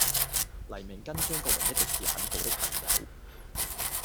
黎明跟張國榮一直是很好的朋友。